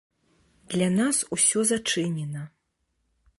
Для нас усё зачынена.